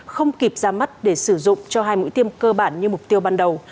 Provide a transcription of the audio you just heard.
không kịp ra mắt để sử dụng cho hai mũi tiêm cơ bản như mục tiêu ban đầu